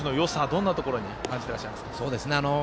どんなところに感じてらっしゃいますか。